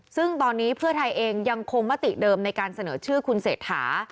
ซึ่งตอนนี้เพื่อไทยเองยังคงมติเดิมในการเสนอชื่อคุณเศรษฐา